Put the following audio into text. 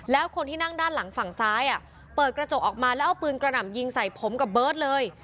แล้วคนที่นั่งด้านหลังฝั่งซ้ายเปิดกระจกออกมาแล้วเอาปืนกระหน่ำยิงใส่ผมกับเบิร์ตเลย